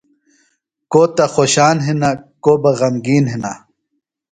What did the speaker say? کو تہ خوشان ہِنہ کو بہ غمگِین ہِنہ۔